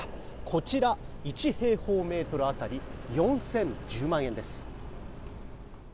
こちら、１平方メートル当たり４０１０万円です。